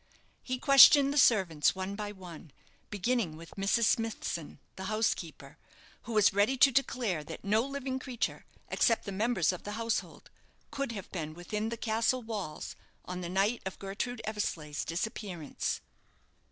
He questioned the servants one by one, beginning with Mrs. Smithson, the housekeeper, who was ready to declare that no living creature, except the members of the household, could have been within the castle walls on the night of Gertrude Eversleigh's disappearance.